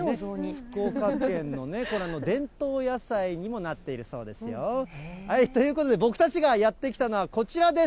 福岡県の、これは伝統野菜にもなっているそうですよ。ということで、僕たちがやって来たのはこちらです。